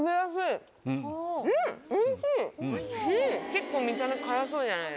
結構見た目辛そうじゃないですか。